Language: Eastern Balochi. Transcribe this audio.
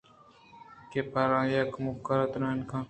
کہ پر آئی ءِ کُمّک ءَ درکائنت